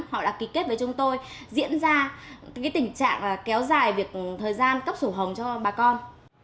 họ đã ký kết với chúng tôi diễn ra tình trạng kéo dài việc thời gian cấp sổ hồng cho bà con